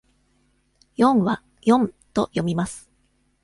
「四」は「よん」と読みます。